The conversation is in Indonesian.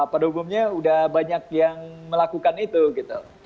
pada umumnya udah banyak yang melakukan itu gitu